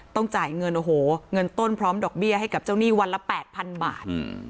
จ่ายเงินโอ้โหเงินต้นพร้อมดอกเบี้ยให้กับเจ้าหนี้วันละ๘๐๐๐บาท